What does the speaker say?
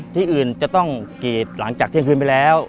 ที่อื่นจะต้องกรีดหลังจากเที่ยงคืนไปแล้ว